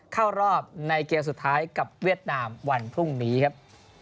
เข้ารอบในเกมสุดท้ายกับเวียดนามวันพรุ่งนี้ครับ